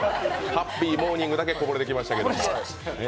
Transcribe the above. ハッピーモーニングだけこぼれてきましたけど。